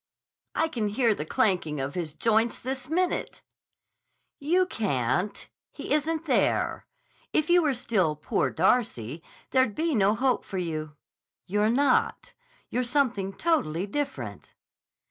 "I can hear the clanking of his joints this minute!" "You can't. He isn't there. If you were still 'Poor Darcy,' there'd be no hope for you. You're not. You're something totally different."